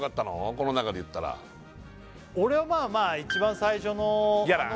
この中でいったら俺はまあまあ一番最初のギャラン？